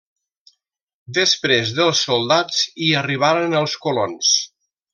Després dels soldats, hi arribaren els colons.